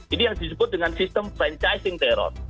ini yang disebut dengan sistem franchising terror